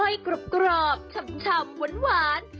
ยกรอบชำหวาน